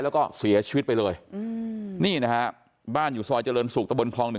แล้วก็เสียชีวิตไปเลยนี่นะฮะบ้านอยู่ซอยเจริญสุขตะบนคลอง๑